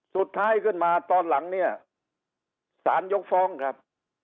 สุดท้ายขึ้นมาตอนหลังเนี่ยสารยกฟ้องครับ